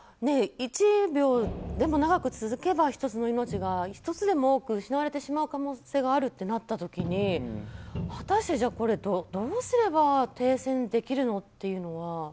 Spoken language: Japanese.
１秒でも長く続けば１つの命が１つでも多く失われてしまう可能性があるってなった時に果たして、これはどうすれば停戦できるの？っていうのは。